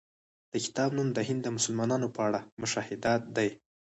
د کتاب نوم د هند د مسلمانانو په اړه مشاهدات دی.